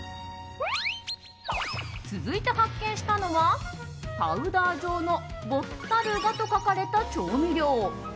続いて発見したのはパウダー状のボッタルガと書かれた調味料。